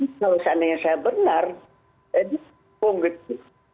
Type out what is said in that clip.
tapi kalau seandainya saya benar dia dipunggung gitu